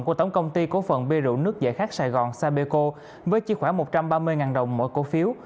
của tổng công ty cổ phận bia rượu nước dạy khác sài gòn sapeco với chi khoảng một trăm ba mươi đồng mỗi cổ phiếu